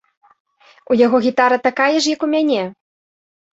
У яго гітара такая ж, як у мяне!